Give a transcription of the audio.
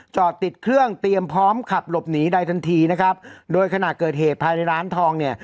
จอดติดเครื่องเตรียมพร้อมขับหลบหนีใดทันทีนะครับโดยขณะเกิดเหตุภายในร้านทองเนี่ย